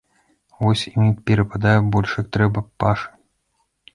Вось ім і перападае больш як трэба пашы.